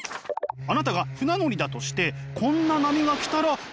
あなたが船乗りだとしてこんな波が来たらどうします？